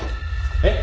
・えっ？